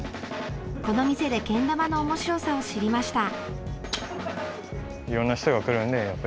この店でけん玉のおもしろさを知りました。